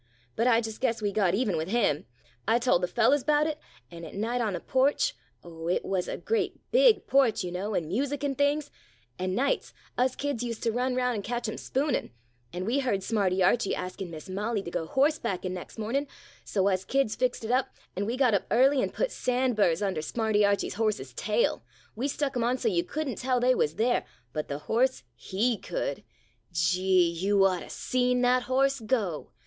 But I just guess we got even with him. I tol' the fellows 'bout it, an' at night on the porch — oh, it wuz a great, big porch, you know, an' music an' things — an' nights us kids ust to run round an' catch 'em spoonin' — an' we heard Smarty Archie askin' Miss Molly to go horsebackin' next mornin', so us kids fixed it up, an' we got up early an' put sand burrs under Smarty 108 A SUMMER IDYL Archie's horse's tail. We stuck 'em on so you could n't tell they wuz there — but the horse he could. Gee! you ought to seen that horse go